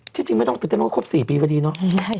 จริงไม่ต้องติดเต็มคว่าครบ๔ปีมาดีเนาะ